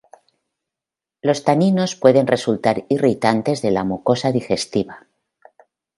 Los taninos pueden resultar irritantes de la mucosa digestiva.